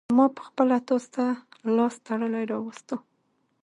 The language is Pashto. ما خپله تاسو ته لاس تړلى راوستو.